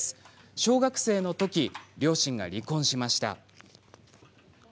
小学生の時、両親が離婚しました。